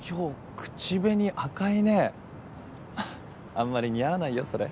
あんまり似合わないよそれ。